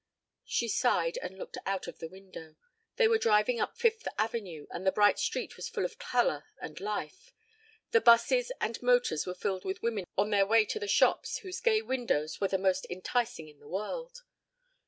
She sighed and looked out of the window. They were driving up Fifth Avenue and the bright street was full of color and life. The busses and motors were filled with women on their way to the shops, whose gay windows were the most enticing in the world.